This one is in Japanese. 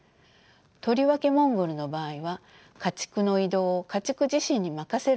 とりわけモンゴルの場合は家畜の移動を家畜自身に任せるという特徴があります。